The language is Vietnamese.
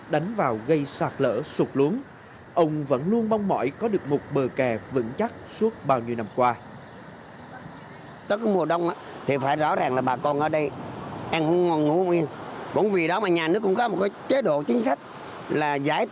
đánh vào gây sạt lỡ sụt lún ông vẫn luôn mong mỏi có được một bờ kè vững chắc suốt bao nhiêu năm qua